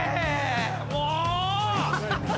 もう！